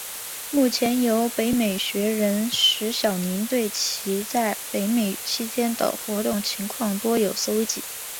目前有北美学人石晓宁对其在北美期间的活动情况多有搜辑。